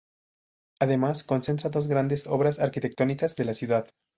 Además concentra dos de las grandes obras arquitectónicas de la ciudad.